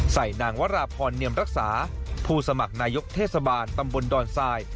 ใส่นางวราพรเนียมรักษาผู้สมัครนายกเทศบาลตำบลดอนทราย